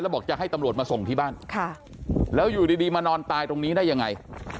บอกจะให้ตำรวจมาส่งที่บ้านแล้วอยู่ดีมานอนตายตรงนี้ได้ยังไง